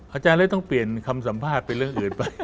อาจารย์เลยต้องเปลี่ยนคำสัมภาษณ์เป็นเรื่องอื่นไป